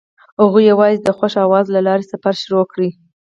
هغوی یوځای د خوښ اواز له لارې سفر پیل کړ.